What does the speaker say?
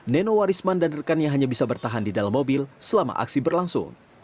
nenowarisman dan rekannya hanya bisa bertahan di dalam mobil selama aksi berlangsung